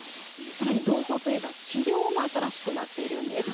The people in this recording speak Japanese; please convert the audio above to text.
更に朗報といえば治療も新しくなっているんです。